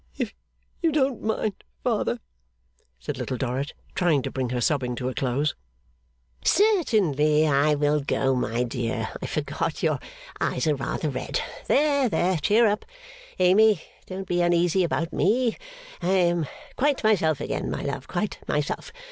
'If you wouldn't mind, father,' said Little Dorrit, trying to bring her sobbing to a close. 'Certainly I will go, my dear. I forgot; your eyes are rather red. There! Cheer up, Amy. Don't be uneasy about me. I am quite myself again, my love, quite myself.